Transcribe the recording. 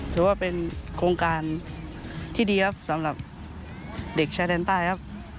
ถือว่าเป็นโครงการที่ดีสำหรับเด็กชายดันตา